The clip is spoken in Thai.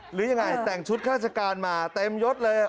หรือยังไงแต่งชุดข้าราชการมาเต็มยดเลย